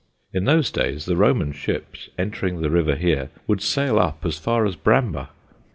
In those days the Roman ships, entering the river here, would sail up as far as Bramber.